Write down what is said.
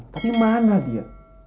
tapi mana dia